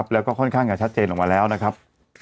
แล้วก็ค่อนข้างจะชัดเจนออกมาแล้วนะครับ